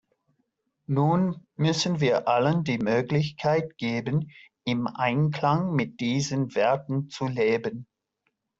Nun müssen wir allen die Möglichkeit geben, im Einklang mit diesen Werten zu leben.